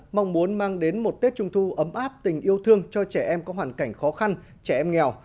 mong muốn mang đến một tết trung thu ấm áp tình yêu thương cho trẻ em có hoàn cảnh khó khăn trẻ em nghèo